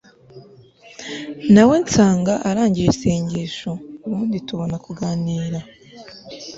nawe nsanga arangije isengesho ubundi tubona kuganira